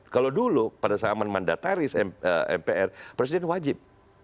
kalau dulu pada zaman mandataris mpr presiden wajib